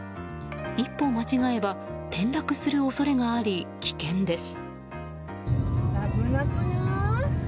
一歩間違えれば転落する恐れがあり危険です。